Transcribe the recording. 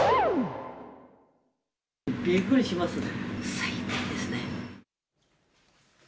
びっくりしました。